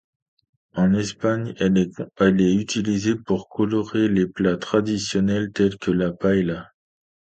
En Espagne, elle est utilisée pour colorer les plats traditionnels tel que la paëlla.